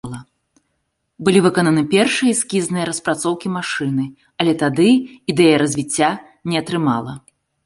Былі выкананы першыя эскізныя распрацоўкі машыны, але тады ідэя развіцця не атрымала.